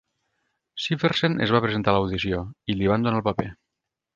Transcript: Siversen es va presentar a l'audició i li van donar el paper.